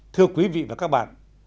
thưa quý vị và các bạn